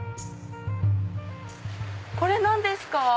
これ何ですか？